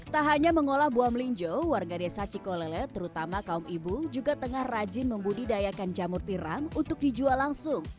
tak hanya mengolah buah melinjo warga desa cikolele terutama kaum ibu juga tengah rajin membudidayakan jamur tiram untuk dijual langsung